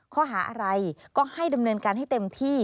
ข้อหาอะไรก็ให้ดำเนินการให้เต็มที่